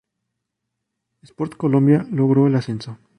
Sport Colombia logró el ascenso.